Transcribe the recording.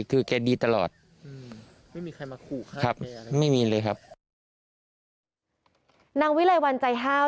คือแกดีตลอดอืมไม่มีใครมาขู่ครับไม่มีเลยครับนางวิรัยวันใจห้าว